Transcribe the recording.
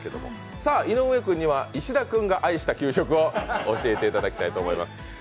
井上君には石田君が愛した給食を教えていただきたいと思います。